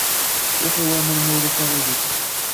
Cuḥḥ i waman, ma ulac aɣilif.